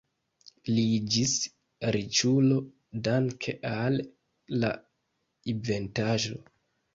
Li iĝis riĉulo danke al la inventaĵo.